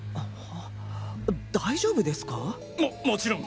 大丈夫ですか？ももちろん！